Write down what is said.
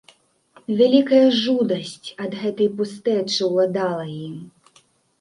Вялікая жудасць ад гэтай пустэчы ўладала ім.